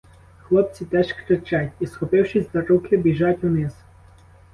Хлопці теж кричать і, схопившись за руки, біжать униз.